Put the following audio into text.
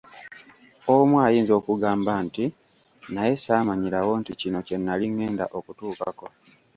Omu ayinza okugamba nti, "Naye saamanyirawo nti kino kye nnali ngenda okutuukako.!